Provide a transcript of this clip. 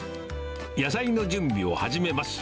野菜の準備を始めます。